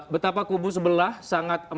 betapa kubu sebelah sangat